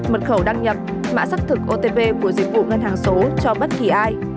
mật khẩu đăng nhập mã xác thực otp của dịch vụ ngân hàng số cho bất kỳ ai